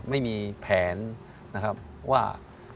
ไม่มีแผนนะครับว่า